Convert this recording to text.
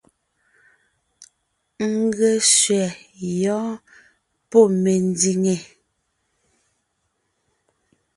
N ge sẅɛ yɔ́ɔn pɔ́ mendìŋe!